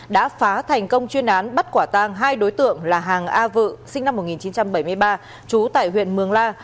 đã phá thành công chuyên án bắt quả tang hai đối tượng là hàng a vự sinh năm một nghìn chín trăm bảy mươi ba trú tại huyện mường la